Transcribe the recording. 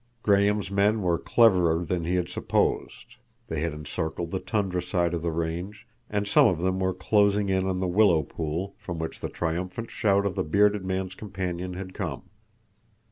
Graham's men were cleverer than he had supposed; they had encircled the tundra side of the range, and some of them were closing in on the willow pool, from which the triumphant shout of the bearded man's companion had come.